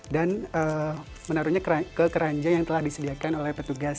dan menaruhnya ke keranjang yang telah disediakan oleh petugas